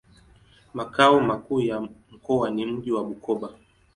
Makao makuu ya mkoa ni mji wa Bukoba.